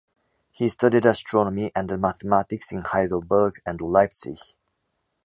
He studied astronomy and mathematics in Heidelberg and Leipzig.